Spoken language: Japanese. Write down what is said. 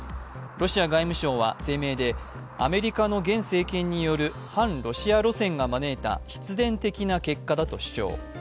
ロシア外務省は声明で、アメリカの現政権による反ロシア路線が招いた必然的な結果だと主張。